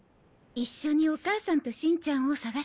一緒にお母さんとしんちゃんを捜しましょう。